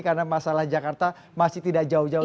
karena masalah jakarta masih tidak jauh jauh